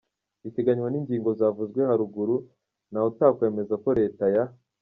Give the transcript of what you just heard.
biteganwa n’ingingo zavuzwe haruguru ntawe utakwemeza ko leta ya